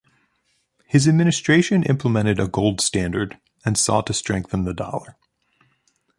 His administration implemented a gold standard and sought to strengthen the dollar.